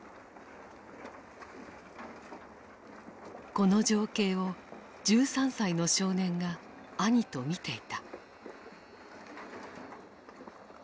この情景を１３歳の少年が兄と見ていた。